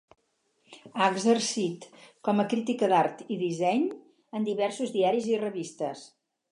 Ha exercit com a crítica d'art i disseny en diversos diaris i revistes.